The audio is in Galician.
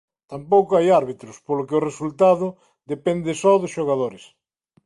Tampouco hai árbitros polo que o resultado depende só dos xogadores.